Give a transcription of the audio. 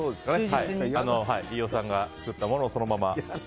飯尾さんが作ったものをそのまま。